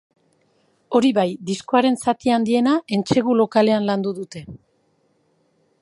Hori bai, diskoaren zati handiena entsegu-lokalean landu dute.